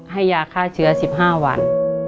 ให้ยาฆ่าเชื้อ๑๕วัน